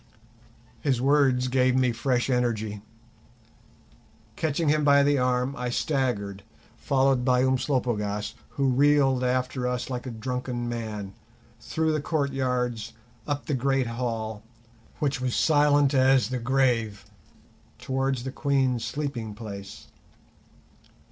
His words gave me fresh energy. Catching him by the arm, I staggered, followed by Umslopogaas, who reeled after us like a drunken man, through the courtyards, up the great hall, which was silent as the grave, towards the Queen's sleeping place.